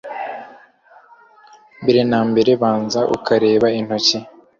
Mbere na mbere banza ukarabe intoki